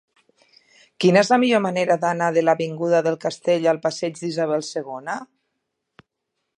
Quina és la millor manera d'anar de l'avinguda del Castell al passeig d'Isabel II?